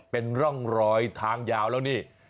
เป็นร่องรอยทางยาวแล้วนี่